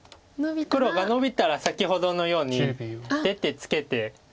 黒がノビたら先ほどのように出てツケて。